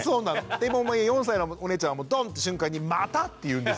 でもう４歳のお姉ちゃんは「ドン！」って瞬間に「また？」って言うんです。